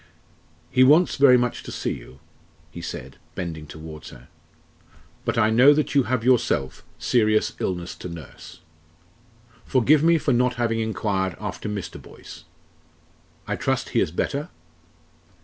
"He wants very much to see you," he said, bending towards her; "but I know that you have yourself serious illness to nurse. Forgive me for not having enquired after Mr. Boyce. I trust he is better?"